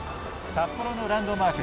札幌のランドマーク